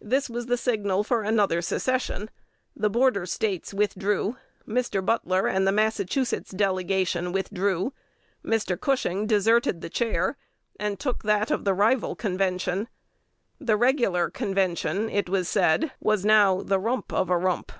This was the signal for another secession: the Border States withdrew; Mr. Butler and the Massachusetts delegation withdrew; Mr. Cushing deserted the chair, and took that of the rival Convention. The "regular" Convention, it was said, was now "the rump of a rump."